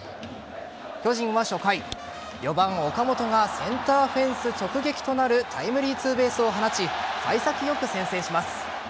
巨人は初回４番・岡本がセンターフェンス直撃となるタイムリーツーベースを放ち幸先よく先制します。